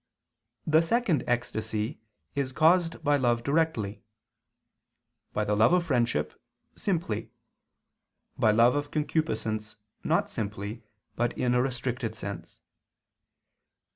The second ecstasy is caused by love directly; by love of friendship, simply; by love of concupiscence not simply but in a restricted sense.